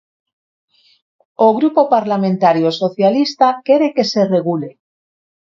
O Grupo Parlamentario Socialista quere que se regule.